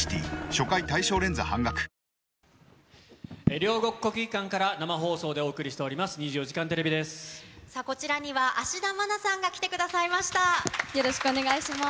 両国・国技館から生放送でお送りしております。